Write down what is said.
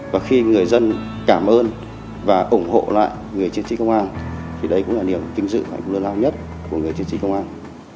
và khi người dân cảm ơn và ủng hộ lại người chiến trị công an thì đấy cũng là niềm kinh dự và nguyên lao nhất của người chiến trị công an